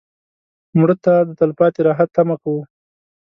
مړه ته د تلپاتې راحت تمه کوو